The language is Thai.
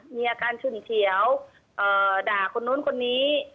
มีอาการฉุนเฉียวด่าคนนู้นคนนี้